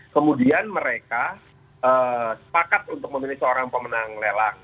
kemudian mereka sepakat untuk memilih seorang pemenang lelang